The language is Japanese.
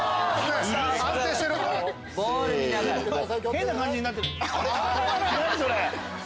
変な感じになってる。